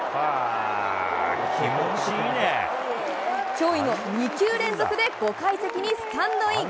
驚異の２球連続で５階席にスタンドイン。